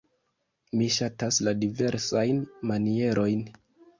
Mi ŝatas la diversajn manierojn.